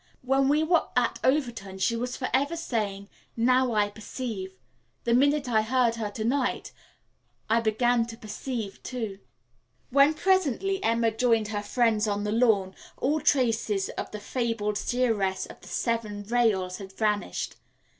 When we were at Overton she was forever saying 'Now I perceive.' The minute I heard it to night I began to perceive, too." When presently Emma joined her friends on the lawn, all traces of the fabled Seeress of the Seven Veils had vanished.